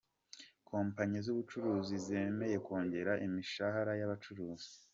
Kompanyi z’ubucukuzi zemeye kongera imishara y’abacukuzi